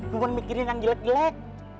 cuma mikirin yang jelek jelek